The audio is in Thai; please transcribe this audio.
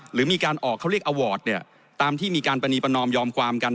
หรือมีการออกเขาเรียกอวอร์ดเนี่ยตามที่มีการปรณีประนอมยอมความกัน